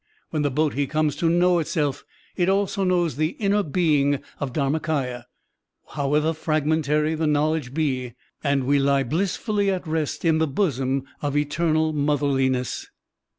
When the Bodhi comes to know itself, it also knows the inner being of Dharmakaya, however fragmentary the knowledge be, and we lie blissfully at rest in the bosom of eternal motherliness.